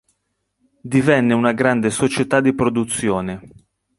Divenne una grande società di produzione.